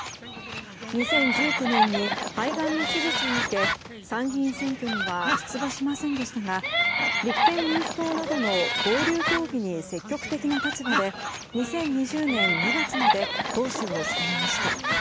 ２０１９年に肺がんの手術を受け参議院選挙には出馬しませんでしたが立憲民主党などとの合流協議に積極的な立場で２０２０年２月まで党首を務めました。